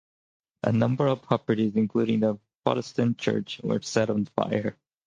A number of properties, including the Protestant church, were set on fire.